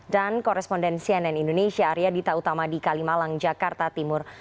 dan koresponden cnn indonesia arya dita utama di kalimalang jakarta timur